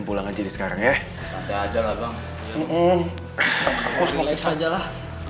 pulang aja sekarang ya aja lah bang ngomong aku semua itu saja lah